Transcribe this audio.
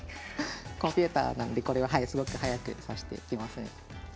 コンピューターなのでこれはすごく早く指してきますね。